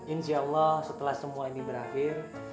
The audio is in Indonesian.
insya allah setelah semua ini berakhir